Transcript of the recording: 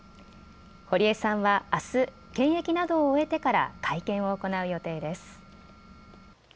堀江さんはあす検疫などを終えてから会見を行う予定です。